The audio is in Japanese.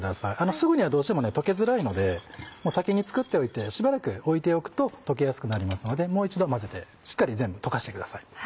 すぐにはどうしても溶けづらいので先に作っておいてしばらく置いておくと溶けやすくなりますのでもう一度混ぜてしっかり全部溶かしてください。